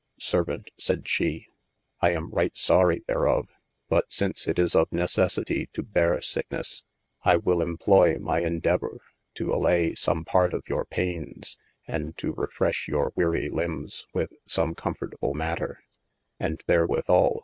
Servaunt sayde she I am right sory therof, but since it is of necessitie to beare sicknesse, I will employ my endevoyre to allay some parte of your paynes, and to refreshe your weary limbes with some comfortable matter : and therewithal!